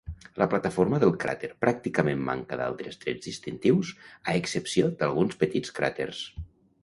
La plataforma del cràter pràcticament manca d'altres trets distintius, a excepció d'alguns petits cràters.